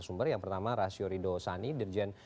serta mempraktekan pola hidup sehat